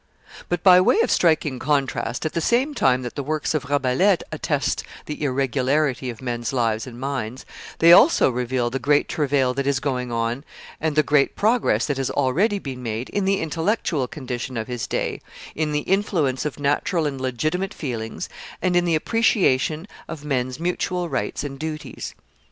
But, by way of striking contrast, at the same time that the works of Rabelais attest the irregularity of men's lives and minds, they also reveal the great travail that is going on and the great progress that has already been made in the intellectual condition of his day, in the influence of natural and legitimate feelings, and in the appreciation of men's mutual rights and duties.